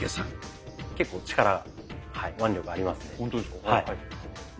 結構力腕力ありますね。